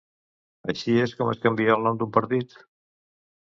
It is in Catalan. Així és com es canvia el nom d’un partit?